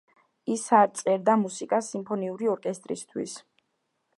ის არ წერდა მუსიკას სიმფონიური ორკესტრისთვის.